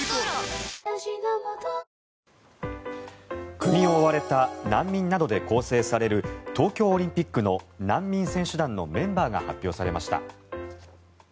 国を追われた難民などで構成される東京オリンピックの難民選手団のメンバーが発表されました。